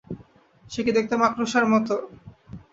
সে কি দেখতে মাকড়সার মতো?